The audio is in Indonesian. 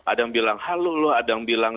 ada yang bilang halo loh ada yang bilang